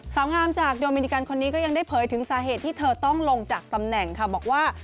สาวงามจากโดมินิกันคนนี้ก็ยังได้เผยถึงสาเหตุที่เธอต้องลงจากตำแหน่งค่ะบอกว่า